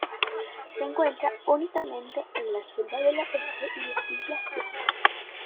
Se encuentra únicamente en las selvas del oeste de la isla de Java.